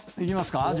いきますか？